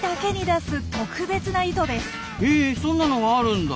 へえそんなのがあるんだ。